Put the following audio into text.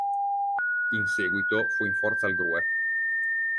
In seguito, fu in forza al Grue.